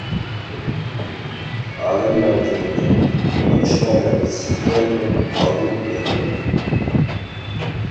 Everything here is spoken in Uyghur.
ئالىم مەمتىمىنگە: تونۇشمايمەن سىز بىلەن، تۇرۇپ قالدىم ئويلىنىپ.